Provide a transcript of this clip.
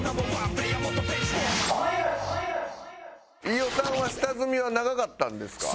飯尾さんは下積みは長かったんですか？